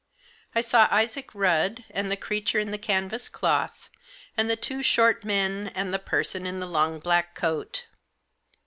I saw Isaac Rudd, and the creature in the canvas cloth, and the two short men, and the person in the long black coat.